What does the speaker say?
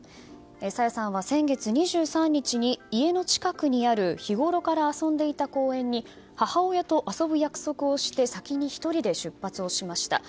朝芽さんは先月２３日に家の近くにある日ごろから遊んでいた公園に母親と遊ぶ約束をして、先に１人で出発をしました。